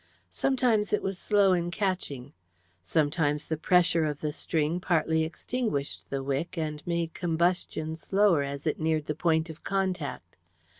Sometimes it was slow in catching. Sometimes the pressure of the string partly extinguished the wick and made combustion slower as it neared the point of contact.